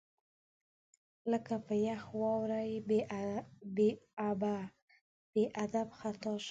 لکه په یخ واوره بې ابه، بې ادب خطا شم